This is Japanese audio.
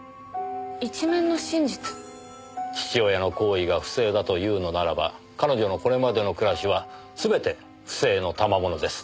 父親の行為が不正だと言うのならば彼女のこれまでの暮らしは全て不正の賜物です。